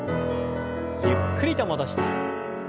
ゆっくりと戻して。